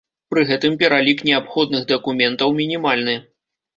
Пры гэтым пералік неабходных дакументаў мінімальны.